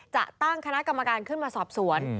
จะตั้งคณะกรรมการขึ้นมาสอบสวน